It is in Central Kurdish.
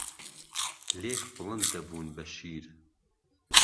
لێک بڵند دهبوون به شیر